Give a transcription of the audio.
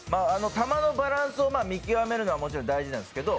玉のバランスを見極めるのはもちろん大事なんですけど、